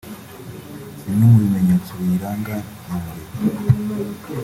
Bimwe mu bimenyetso biyiranga ni umuriro